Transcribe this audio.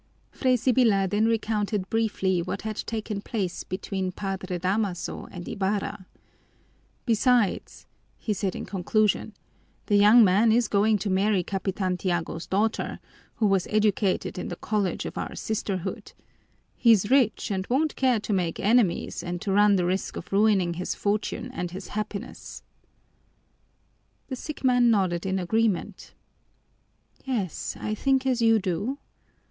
Fray Sibyla then recounted briefly what had taken place between Padre Damaso and Ibarra. "Besides," he said in conclusion, "the young man is going to marry Capitan Tiago's daughter, who was educated in the college of our Sisterhood. He's rich, and won't care to make enemies and to run the risk of ruining his fortune and his happiness." The sick man nodded in agreement. "Yes, I think as you do.